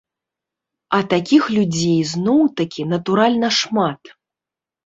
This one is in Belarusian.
А такіх людзей зноў-такі натуральна шмат.